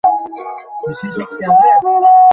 জালালাবাদ শহর এর রাজধানী।